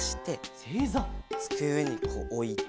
つくえにこうおいて。